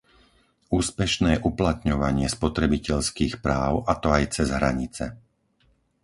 úspešné uplatňovanie spotrebiteľských práv, a to aj cez hranice.